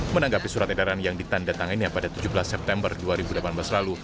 menanggapi surat edaran yang ditanda tangannya pada tujuh belas september dua ribu delapan belas lalu